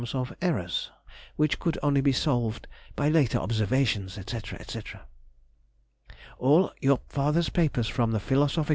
of errors, which could only be solved by later observations, &c., &c. All your father's papers from the Phil.